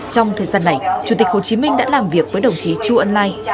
trong thời gian này chủ tịch hồ chí minh đã làm việc với đồng chí chu ân lai